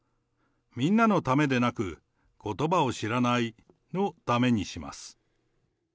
みんなのためでなく、ことばを知らない×××のためにします。